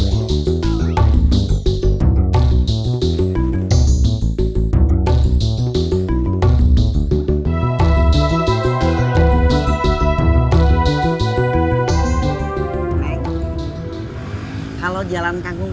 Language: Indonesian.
kursi kita kitubu being putung